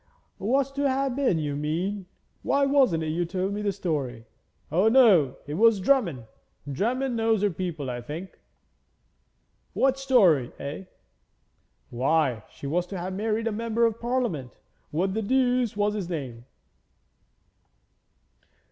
'Was to have been, you mean. Why, wasn't it you told me the story? O no, it was Drummond. Drummond knows her people, I think.' 'What story, eh?' 'Why, she was to have married a Member of Parliament; what the deuce was his name?